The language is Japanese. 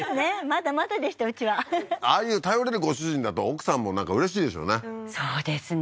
まだまだでしたうちはああいう頼れるご主人だと奥さんもなんかうれしいでしょうねそうですね